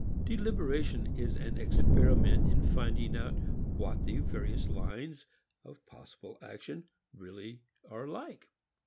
Deliberation is an experiment in finding out what the various lines of possible action are really like.